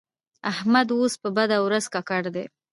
احمد اوس په بده ورځ ککړ دی.